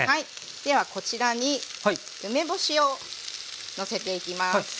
ではこちらに梅干しをのせていきます。